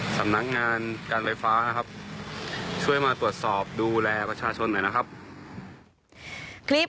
สำนักงานการไฟฟ้านะครับช่วยมาตรวจสอบดูแลประชาชนหน่อยนะครับ